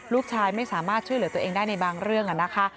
ลูกชายไม่สามารถช่วยเหลือตัวเองได้ในบางเรื่องนะคะ